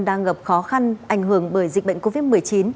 đang gặp khó khăn ảnh hưởng bởi dịch bệnh covid một mươi chín